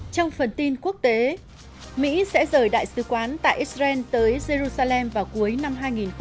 trong phần tin quốc tế mỹ sẽ rời đại sứ quán tại israel tới jerusalem vào cuối năm hai nghìn hai mươi